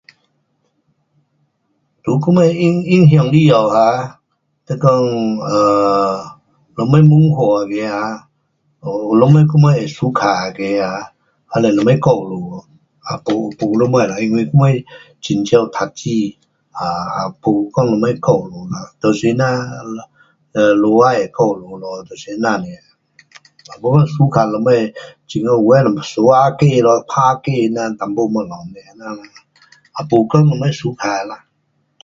在我们影响里下哈，你讲啊，什么文化那个啊，什么我们会suka 那个啊，还是什么故事，也没，没什么啦，因为我们很少读书，啊，没讲什么故事啦，就是那，呃，下海的故事咯。就是这样尔。也没suka这久有的相打鸡，打鸡什么东西，就是这样啦，也没讲什么suka的啦。